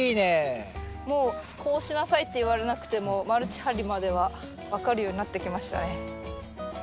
もうこうしなさいって言われなくてもマルチ張りまでは分かるようになってきましたね。